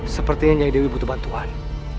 sepertinya dewi butuh bantuan